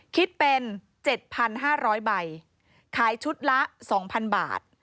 คิดเป็น๗๕๐๐ใบขายชุดละ๒๐๐๐บาท